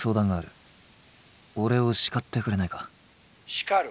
「叱る？